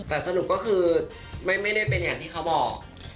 แต่สรุปก็คือไม่ได้เป็นอย่างที่เขาบอก